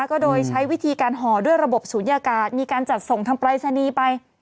ก็โดยใช้วิธีการห่อด้วยระบบศูนยากาศมีการจัดส่งทางปรายศนีย์ไป